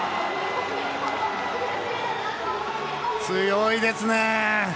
強いですね！